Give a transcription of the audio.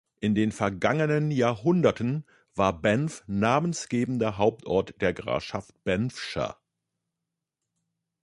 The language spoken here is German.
In vergangenen Jahrhunderten war Banff namensgebender Hauptort der Grafschaft Banffshire.